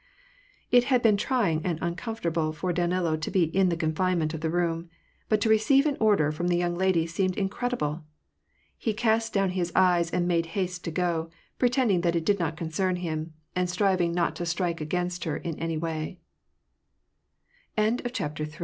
It had been trying and uncomfortable for Danilo to be in the confinement of the room ; but to receive an order from the young lady seemed incredible. He cast down his eyes, and made haste to go, pretending that it did not concern him, and striving not to